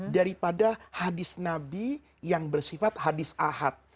daripada hadis nabi yang bersifat hadis ahad